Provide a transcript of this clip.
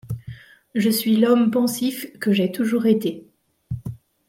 Je suis l'homme pensif que j'ai toujours été.